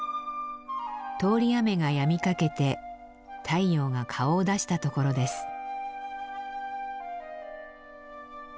通り雨がやみかけて太陽が顔を出したところです。